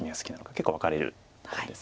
結構分かれるところです。